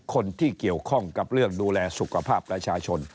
คนที่เกี่ยวข้องกับเรื่องดูแลสุขภาพประชาชน